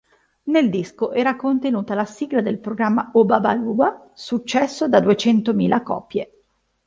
Nel disco era contenuta la sigla del programma "Oba-ba-luu-ba", successo da duecentomila copie.